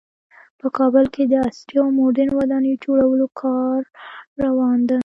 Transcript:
په کابل کې د عصري او مدرن ودانیو جوړولو کار روان ده